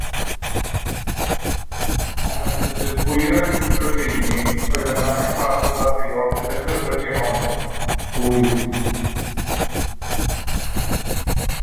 Gwnaeth y ddirprwyaeth Brydeinig, oedd yn anghyfarwydd â'r rheol benderfynu hon, gŵyn.